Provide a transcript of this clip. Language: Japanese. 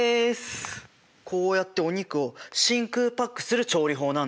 こうやってお肉を真空パックする調理法なんだ。